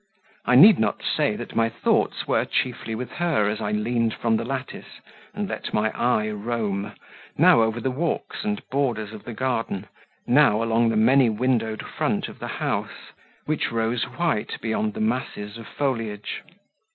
I need not say that my thoughts were chiefly with her as I leaned from the lattice, and let my eye roam, now over the walks and borders of the garden, now along the many windowed front of the house which rose white beyond the masses of foliage.